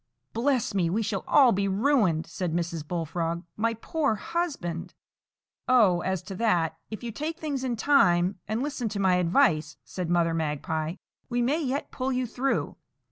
"Bless me, we shall all be ruined!" said Mrs. Bullfrog; "my poor husband—" "Oh, as to that, if you take things in time, and listen to my advice," said Mother Magpie, "we may yet pull you through.